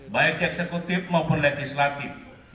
baik eksekutif maupun legislatif